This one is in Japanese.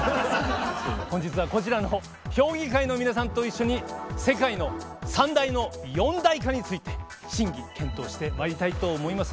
本日はこちらの評議会の皆さんと一緒に世界の三大の四大化について審議・検討してまいりたいと思います。